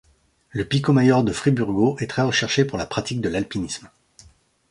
Le Pico Maior de Friburgo est très recherché pour la pratique de l'alpinisme.